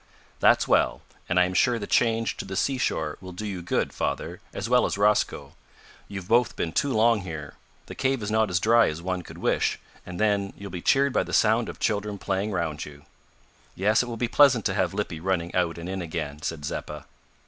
"That's well, and I am sure the change to the seashore will do you good, father, as well as Rosco. You've both been too long here. The cave is not as dry as one could wish and, then, you'll be cheered by the sound of children playing round you." "Yes, it will be pleasant to have Lippy running out and in again," said Zeppa.